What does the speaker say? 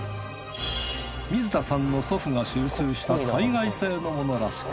水田さんの祖父が収集した海外製のものらしく